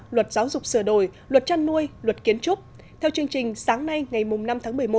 luật giáo dục sửa đổi luật chăn nuôi luật kiến trúc theo chương trình sáng nay ngày năm tháng một mươi một